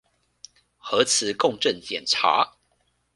核磁共振檢查